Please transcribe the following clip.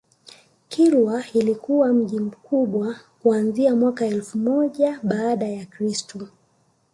Kilwa ilikuwa mji mkubwa kuanzia mwaka elfu moja baada ya Kristo